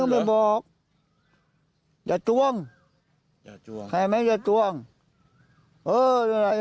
อย่าไม่บอกชื่อนะถามกันไหนก็ไม่บอก